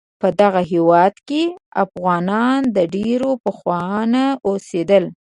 په دغه هیواد کې افغانان د ډیر پخوانه اوسیدل